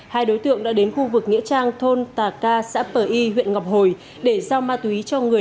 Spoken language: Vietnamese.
hai đối tượng đã đến khu vực nghĩa trang thôn tà ca xã pờ y huyện ngọc hồi để giao ma túy cho người